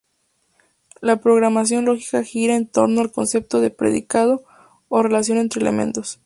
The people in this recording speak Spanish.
La programación lógica gira en torno al concepto de predicado, o relación entre elementos.